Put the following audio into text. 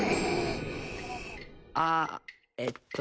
あっえっと。